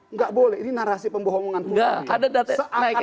nggak boleh ini narasi pembohongan publik